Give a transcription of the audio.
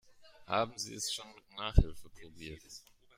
Haben Sie es schon mit Nachhilfe probiert?